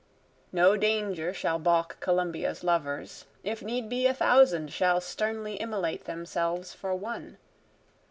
No danger shall balk Columbia's lovers, If need be a thousand shall sternly immolate themselves for one.